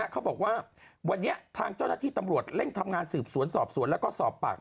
เขาบอกว่าวันนี้ทางเจ้าหน้าที่ตำรวจเร่งทำงานสืบสวนสอบสวนแล้วก็สอบปาก